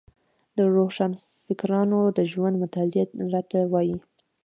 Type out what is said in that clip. د روښانفکرانو د ژوند مطالعه راته وايي.